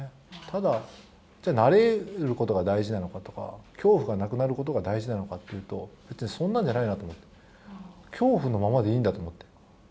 ただ、じゃ慣れることが大事なのかとか恐怖がなくなることが大事なのかっていうと、別にそんなんじゃないなと思って恐怖のままでいいんだと思って。